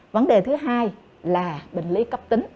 vấn đề thứ hai là bệnh lý cấp tính